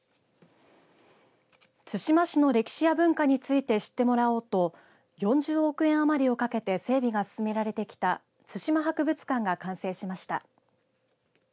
対馬市の歴史や文化について知ってもらおうと４０億円余りをかけて整備が進められてきた対馬博物館が完成しました。